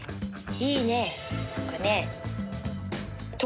いいねそこね。